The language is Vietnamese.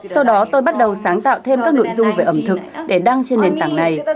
sau đó tôi bắt đầu sáng tạo thêm các nội dung về ẩm thực để đăng trên nền tảng này